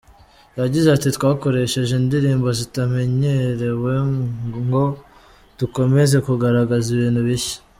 Yagize ati “Twakoresheje indirimbo zitamenyerewe ngo dukomeze kugaragaza ibintu bishya.